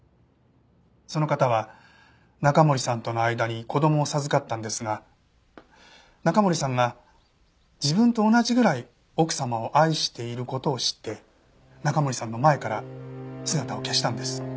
その方は中森さんとの間に子供を授かったんですが中森さんが自分と同じぐらい奥様を愛している事を知って中森さんの前から姿を消したんです。